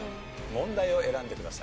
問題を選んでください。